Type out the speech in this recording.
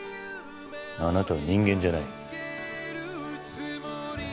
あなたは人間じゃない。